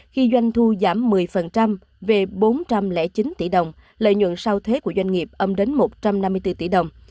khi doanh thu giảm một mươi về bốn trăm linh chín tỷ đồng lợi nhuận sau thuế của doanh nghiệp âm đến một trăm năm mươi bốn tỷ đồng